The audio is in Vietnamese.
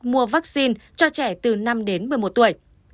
mua vaccine cho trẻ từ năm đến một mươi một tuổi